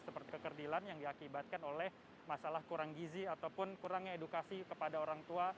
seperti kekerdilan yang diakibatkan oleh masalah kurang gizi ataupun kurangnya edukasi kepada orang tua